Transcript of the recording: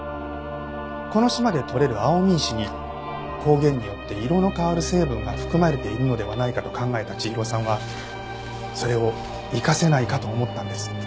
この島で採れる蒼海石に光源によって色の変わる成分が含まれているのではないかと考えた千尋さんはそれを生かせないかと思ったんです。